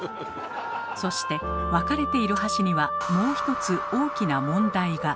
そして分かれている箸にはもう１つ大きな問題が！